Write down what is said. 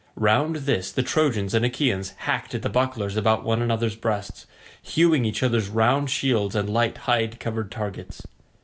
Round this the Trojans and Achaeans hacked at the bucklers about one another's breasts, hewing each other's round shields and light hide covered targets.